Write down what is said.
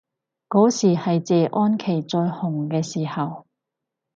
嗰時係謝安琪最紅嘅時候